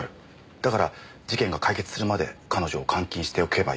だから事件が解決するまで彼女を監禁しておけばいい。